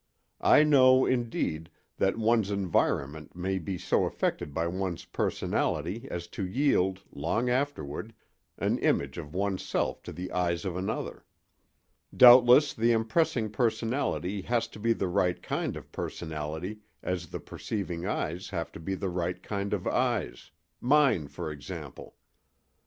I know, indeed, that one's environment may be so affected by one's personality as to yield, long afterward, an image of one's self to the eyes of another. Doubtless the impressing personality has to be the right kind of personality as the perceiving eyes have to be the right kind of eyes—mine, for example."